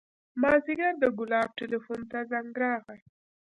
مازديګر د ګلاب ټېلفون ته زنګ راغى.